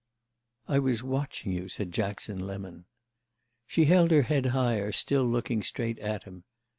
"I was watching you," said Jackson Lemon. She held her head higher, still looking straight at him.